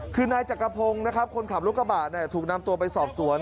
คือนายจักรพงศ์นะครับคนขับรถกระบะถูกนำตัวไปสอบสวน